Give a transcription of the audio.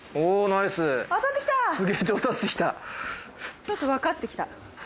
ちょっとわかってきた。